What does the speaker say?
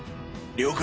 了解！